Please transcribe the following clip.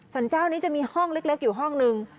สรรเจ้านี้จะมีห้องเล็กอยู่ห้องนึง